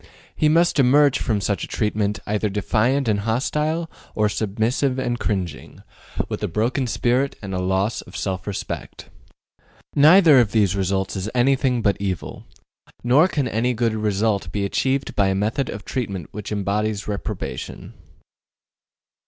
He must emerge from such a treatment either defiant and hostile, or submissive and cringing, with a broken spirit and a loss of self respect. Neither of these results is anything but evil. Nor can any good result be achieved by a method of treatment which embodies reprobation.